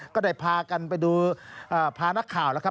ก็ได้พากันไปดูพานักข่าวแล้วครับ